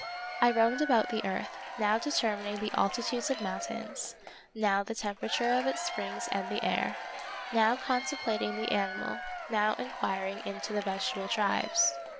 I roamed about the earth, now determining the altitudes of mountains, now the temperature of its springs and the air; now contemplating the animal, now inquiring into the vegetable tribes.